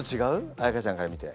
彩歌ちゃんから見て。